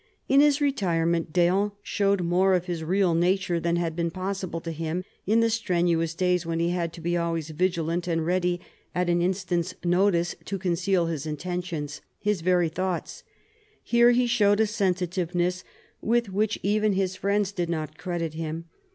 In his retirement d'Eon showed more of his real nature than had been possible to him in the strenuous days when he had to be always vigilant and ready at an instant's notice to conceal his intentions his very thoughts. Here he showed a sensitiveness with which even his friends did not credit him.